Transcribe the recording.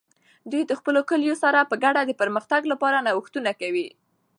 دوی د خپلو کلیوالو سره په ګډه د پرمختګ لپاره نوښتونه کوي.